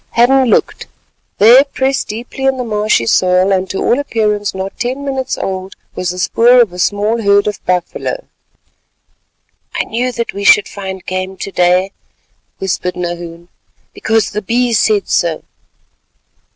Hadden looked; there, pressed deep in the marshy soil, and to all appearance not ten minutes old, was the spoor of a small herd of buffalo. "I knew that we should find game to day," whispered Nahoon, "because the Bee said so."